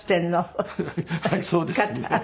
はいそうですね。